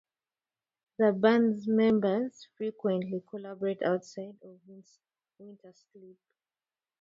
The band's members frequently collaborate outside of Wintersleep.